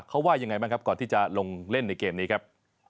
เขาว่ายังไงบ้างครับก่อนที่จะลงเล่นในเกมนี้ครับ